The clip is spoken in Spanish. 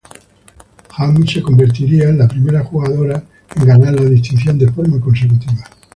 Hamm se convertía en la primera jugadora en ganar la distinción de forma consecutiva.